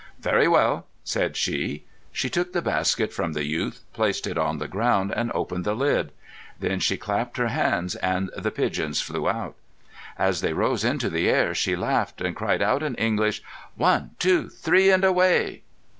"Very well," said she. She took the basket from the youth, placed it on the ground, and opened the lid. Then she clapped her hands and the pigeons flew out. As they rose into the air she laughed, and cried out in English—"One, two, three, and away!"